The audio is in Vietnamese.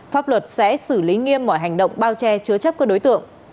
pháp luật sẽ xử lý nghiêm mọi hành động bao che chứa chấp các đối tượng